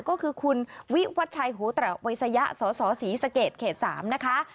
ก็คือคุณวิวัชชัยหูตระวัยสยะสสศส๓นะคะ